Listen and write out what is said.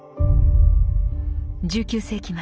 １９世紀末